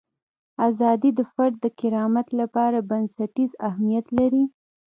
ازادي د فرد د کرامت لپاره بنسټیز اهمیت لري.